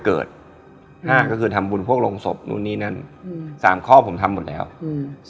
เกิดห้าก็คือทำบุญพวกโรงศพนู่นนี่นั่นอืมสามข้อผมทำหมดแล้วอืม